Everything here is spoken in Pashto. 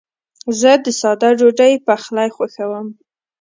زه د ساده ډوډۍ پخلی خوښوم.